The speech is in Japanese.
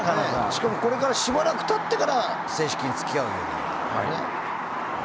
しかも、これからしばらく経ってから正式に付き合うようになるわけだからね。